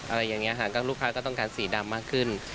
อะไรอย่างนี้ค่ะก็ลูกค้าก็ต้องการสีดำมากขึ้น